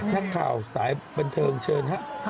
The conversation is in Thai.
นักข่าวสายบันเทิงเชิญครับ